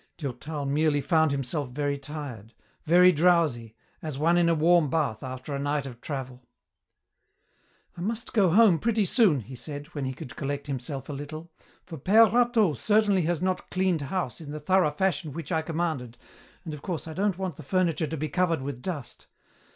Durtal merely found himself very tired, very drowsy, as one in a warm bath after a night of travel. "I must go home pretty soon," he said when he could collect himself a little, "for Père Rateau certainly has not cleaned house in the thorough fashion which I commanded, and of course I don't want the furniture to be covered with dust.